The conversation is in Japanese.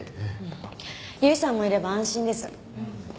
由比さんもいれば安心です。